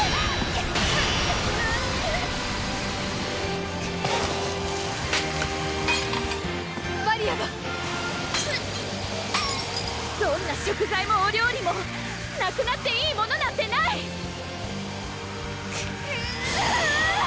クゥバリアがどんな食材もお料理もなくなっていいものなんてないクゥーッ！